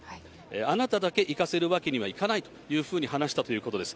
あなただけいかせるわけにはいかないというふうに話したということです。